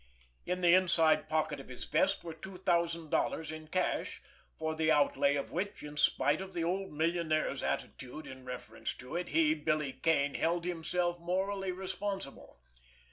In the inside pocket of his vest were two thousand dollars in cash, for the outlay of which, in spite of the old millionaire's attitude in reference to it, he, Billy Kane, held himself morally responsible.